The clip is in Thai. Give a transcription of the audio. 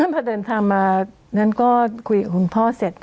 พอเดินทางมานั้นก็คุยกับคุณพ่อเสร็จ